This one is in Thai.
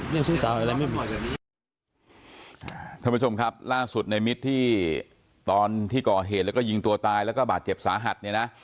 คุณผู้ชมครับล่าสุดในมิตรที่ตอนที่ก่อเหตุแล้วก็ยิงตัวตายแล้วก็บาดเจ็บสาหัสเนี่ยนะ